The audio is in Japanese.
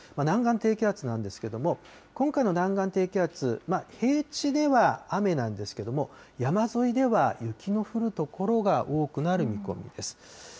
南岸低気圧なんですけれども、今回の南岸低気圧、平地では雨なんですけれども、山沿いでは雪の降る所が多くなる見込みです。